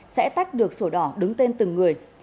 sẽ tách được sổ đỏ đứng tên từng người